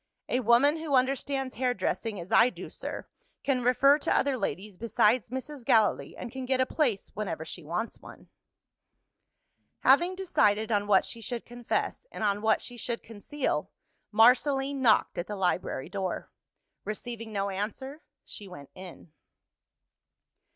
"A woman who understands hairdressing as I do, sir, can refer to other ladies besides Mrs. Gallilee, and can get a place whenever she wants one." Having decided on what she should confess, and on what she should conceal, Marceline knocked at the library door. Receiving no answer, she went in.